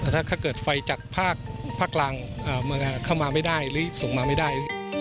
ถ้าเกิดไฟจากภาคกลางเข้ามาไม่ได้หรือส่งมาไม่ได้